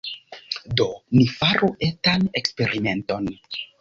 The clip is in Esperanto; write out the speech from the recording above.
Do, ni faru etan eksperimenton.